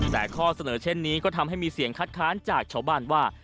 แต่ข้อเสนอเช่นนี้ก็ทำให้มีเสียงคัดค้านจากชาวบ้านว่า